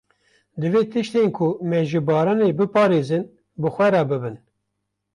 Divê tiştên ku me ji baranê biparêzin bi xwe re bibin.